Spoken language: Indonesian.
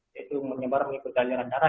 yaitu menyebar mengikut daliran darah